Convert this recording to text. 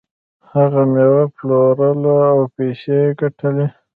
هغه میوه پلورله او پیسې یې ګټلې.